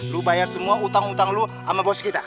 lu bayar semua utang utang lu sama bos kita